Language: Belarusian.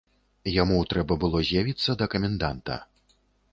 Яму трэба было з'явіцца да каменданта.